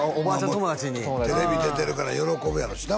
友達にテレビ出てるから喜ぶやろうしな